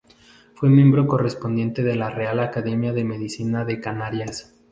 Fue miembro correspondiente de la Real Academia de Medicina de Canarias.